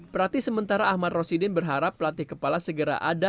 perhati sementara ahmad rosidin berharap pelatih kepala segera ada